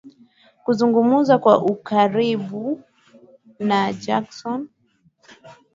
kuzungumza kwa ukaribu na Jackson